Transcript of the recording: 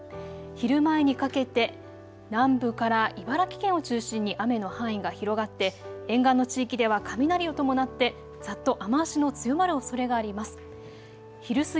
昼前にかけて南部から茨城県を中心に雨の範囲が広がって沿岸の地域では雷を伴ってざっと雨足の強まるおそれがあります。